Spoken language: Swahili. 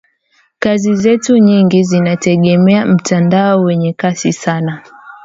kazi zetu nyingi zinategemea mtandao wenye kasi sana